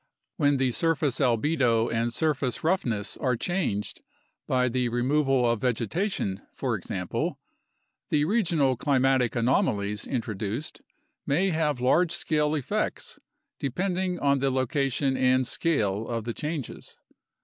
When the surface albedo and surface roughness are changed by the removal of vegetation, for example, the regional climatic anomalies introduced may have large scale effects, depending on the location and scale of the changes.